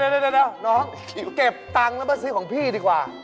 เดี๋ยวน้องเก็บตังค์แล้วมาซื้อของพี่ดีกว่า